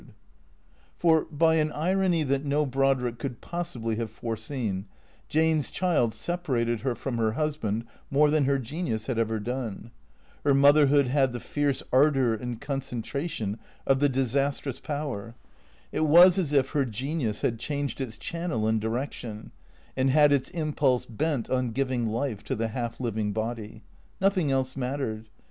406 THE CREATORS For, by an irony that no Brodrick could possibly have fore seen, Jane's child separated her from her husband more than her genius had ever done. Her motherhood had the fierce ardour and concentration of the disastrous power. It was as if her genius had changed its channel and direction, and had its impulse bent on giving life to the half living body. Nothing else mattered.